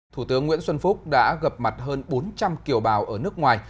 thủ tướng nguyễn xuân phúc đã gặp mặt hơn bốn trăm linh kiều bào ở nước ngoài